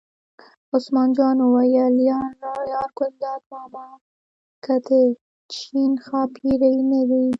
عثمان جان وویل: یار ګلداد ماما که د چین ښاپېرۍ نه دي.